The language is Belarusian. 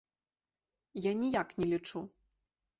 Я ніяк не лічу.